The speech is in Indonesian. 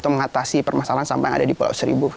mengatasi permasalahan sampah yang ada di pulau seribu